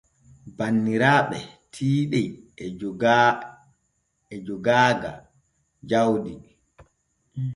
Banniraaɓe tiiɗe e jogaaga jaudi.